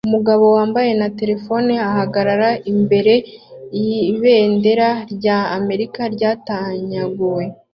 Umugabo wambaye na terefone ahagarara imbere yibendera rya Amerika ryatanyaguwe